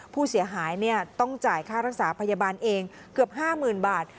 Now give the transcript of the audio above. ผู้เสียหายต้องจ่ายค่ารักษาพยาบาลเองเกือบ๕๐๐๐บาท